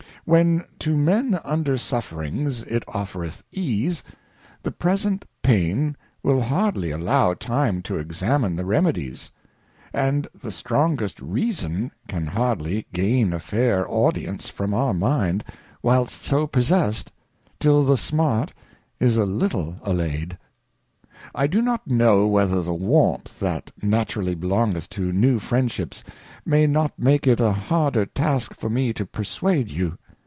.When to Men under Sufferings it offereth Ease, the present Pain will hardly allow time to examine the Remedies ; and the strongest Reason can hardly gain a fair Audience from our Mind, whilst so possessed, till the Smart is a little allayed. I do not know whether the Warmth that naturally belongeth to new Friendships, may not make it a harder Task for me to ^ perswade you.